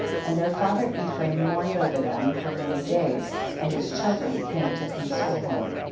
21. And their father Ephraim mourned over them for many days, and his brethren came to console him.